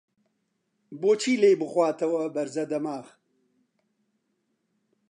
بۆ چی لێی بخواتەوە بەرزە دەماخ؟!